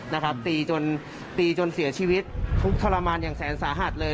นะครับตีจนตีจนเสียชีวิตทุกข์ทรมานอย่างแสนสาหัสเลย